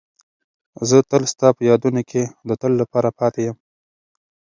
زه تل ستا په یادونو کې د تل لپاره پاتې یم.